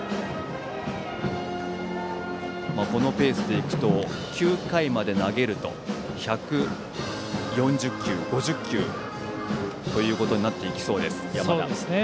このペースで行くと９回まで投げると１４０球、１５０球ということになっていきそうです、山田。